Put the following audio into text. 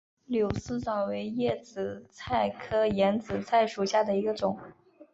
柳丝藻为眼子菜科眼子菜属下的一个种。